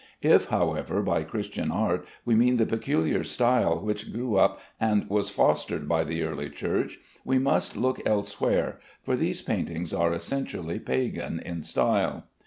If, however, by Christian art we mean the peculiar style which grew up and was fostered by the early Church, we must look elsewhere, for these paintings are essentially pagan in style.